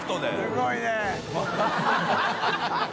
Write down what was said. すごいね